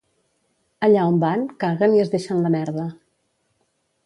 Allà on van caguen i es deixen la merda